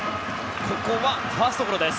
ここはファーストゴロです。